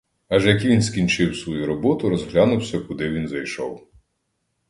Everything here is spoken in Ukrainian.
Аж як скінчив свою роботу розглянувся куди він зайшов.